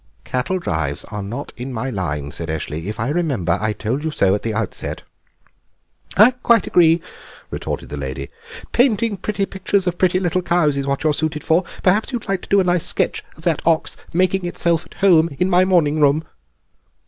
"Cattle drives are not in my line," said Eshley; "if I remember I told you so at the outset." "I quite agree," retorted the lady, "painting pretty pictures of pretty little cows is what you're suited for. Perhaps you'd like to do a nice sketch of that ox making itself at home in my morning room?"